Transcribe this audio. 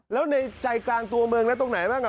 แล้วในใจกลางตัวเมืองแล้วตรงไหนบ้างอ่ะ